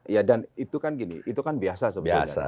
ya dan itu kan gini itu kan biasa sebenarnya